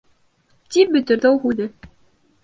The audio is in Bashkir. -тип бөтөрҙө ул һүҙен.